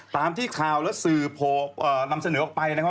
ตามที่ข่าวและสื่อโผล่นำเสนอออกไป